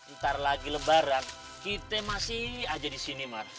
ntar lagi lebaran kita masih aja disini mar